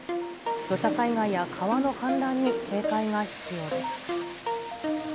土砂災害や川の氾濫に警戒が必要です。